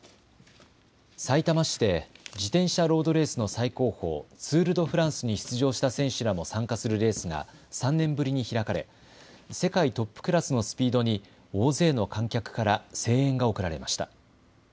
さいたま市で自転車ロードレースの最高峰、ツール・ド・フランスに出場した選手らも参加するレースが３年ぶりに開かれ世界トップクラスのスピードに大勢の観客から声援が送られました。